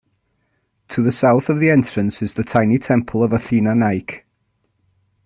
To the south of the entrance is the tiny Temple of Athena Nike.